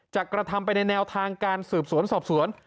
จะกระทำไปในแนวทางการสืบสวนสอบสวน